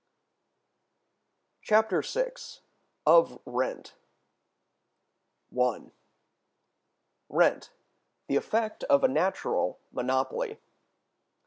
Chapter VI. Of Rent. § 1. Rent the Effect of a Natural Monopoly.